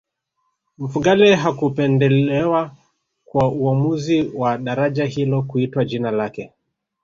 mfugale hakupendelewa kwa uamuzi wa daraja hilo kuitwa jina lake